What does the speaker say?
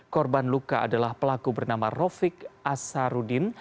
korban luka adalah pelaku bernama rofik asarudin